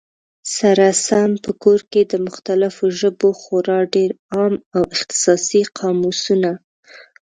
سره سم په کور کي، د مختلفو ژبو خورا ډېر عام او اختصاصي قاموسونه